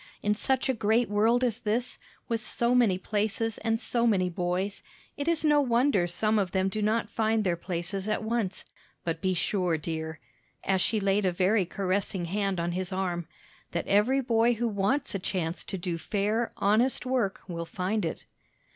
In such a great world as this is, with so many places and so many boys, it is no wonder some of them do not find their places at once. But be sure, dear," as she laid a very caressing hand on his arm, "that every boy who wants a chance to do fair, honest work will find it."